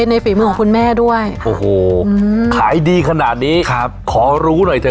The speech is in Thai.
ไอ้ตนโร